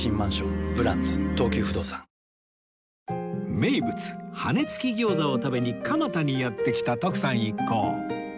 名物羽付き餃子を食べに蒲田にやって来た徳さん一行